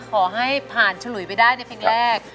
ขอให้ผ่านฉลุยไปได้ในเพลงแรก